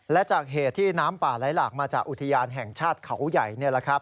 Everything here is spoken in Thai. และจากเหตุที่น้ำป่าไหลหลากมาจากอุทยานแห่งชาติเขาใหญ่